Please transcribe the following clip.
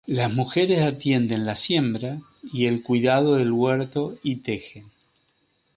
Las mujeres atienden la siembra y el cuidado del huerto y tejen.